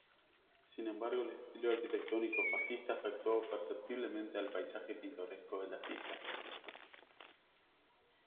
Sin embargo, el estilo arquitectónico fascista afectó perceptiblemente al paisaje pintoresco de las islas.